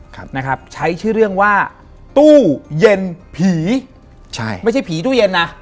ครับนะครับใช้ชื่อเรื่องว่าตู้เย็นผีใช่ไม่ใช่ผีตู้เย็นนะ